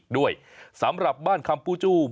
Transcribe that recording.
ตามแนวทางศาสตร์พระราชาของในหลวงราชการที่๙